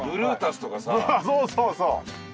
そうそうそう。